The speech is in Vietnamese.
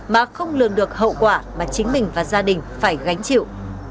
mà không lường được hậu quả mà chính mình và gia đình phải gánh chịu